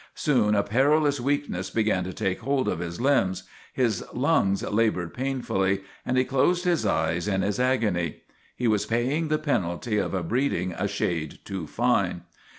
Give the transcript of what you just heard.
Soon a perilous weakness began to take hold of his limbs; his lungs labored painfully, and he closed his eyes in his agony. He was paying the penalty of a breed ing a shade too fine.